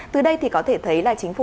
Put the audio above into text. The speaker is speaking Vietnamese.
từ đây thì có thể thấy là chính phủ